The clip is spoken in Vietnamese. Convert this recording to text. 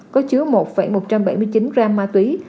có chứa một một trăm bảy mươi chín gram ma túy